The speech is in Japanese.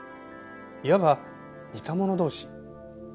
いわば似た者同士。